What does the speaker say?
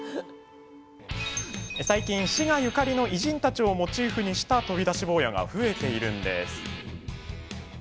最近、滋賀ゆかりの偉人たちをモチーフにした飛び出し坊やが増えているんです。